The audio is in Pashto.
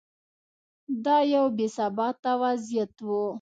دا یو بې ثباته وضعیت و.